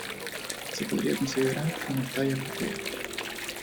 Se podría considerar una playa fluvial.